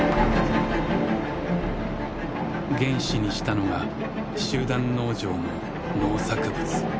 原資にしたのが集団農場の農作物。